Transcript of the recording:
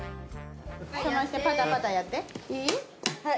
冷ましてパタパタやっていい？